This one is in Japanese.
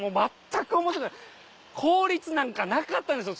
効率なんかなかったでしょ